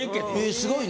すごいね。